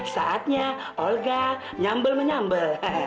saatnya olga nyambel menyambel